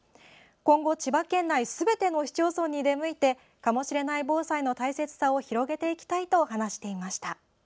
今後、千葉県内すべての市町村に出向いて「かもしれない防災」の大切さを広げていきたいと話していました。